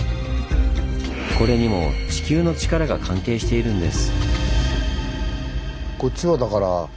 これにも地球のチカラが関係しているんです。